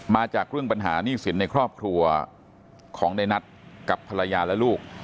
มาจากเรื่องปัญหาหนี้สินในครอบครัวของในนัทกับภรรยาและลูก